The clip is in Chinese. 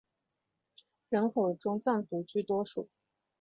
人口中藏族居多数。